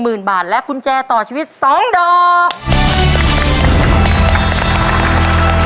หมื่นบาทและกุญแจต่อชีวิต๒ดอก